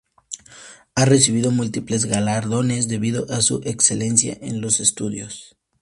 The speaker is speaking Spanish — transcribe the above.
Ha recibido múltiples galardones debido a su excelencia en los estudios.